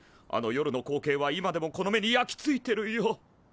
あの夜の光景は今でもこの目に焼き付いてるよ。